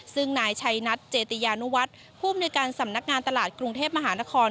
ซึ่งนายชัยนัทเจติยานุวัฒน์ผู้อำนวยการสำนักงานตลาดกรุงเทพมหานคร